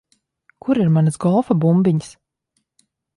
Kur ir manas golfa bumbiņas?